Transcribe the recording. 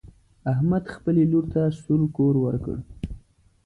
احمد خپلې لور ته سور کور ورکړ.